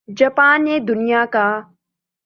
Japan نے دنیا کا